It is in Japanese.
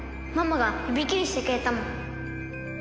ママが指切りしてくれたもん。